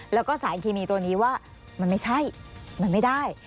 แล้วก็สารเคมีตัวนี้ว่ามันไม่ใช่มันไม่ได้